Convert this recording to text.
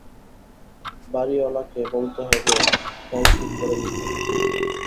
বাড়িঅলাকে বলতে হবে কল ঠিক করে দিতে।